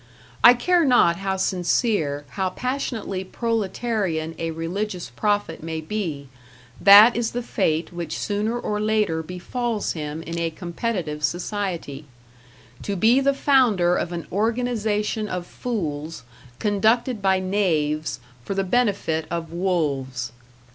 I care not how sincere, how passionately proletarian a religious prophet may be, that is the fate which sooner or later befalls him in a competitive society to be the founder of an organization of fools, conducted by knaves, for the benefit of wolves.